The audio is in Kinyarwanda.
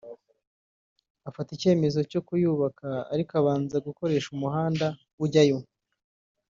afata icyemezo cyo kuyubaka ariko abanza gukoresha n’umuhanda ujyayo